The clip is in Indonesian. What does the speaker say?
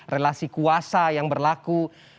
relasi kuasa yang berlaku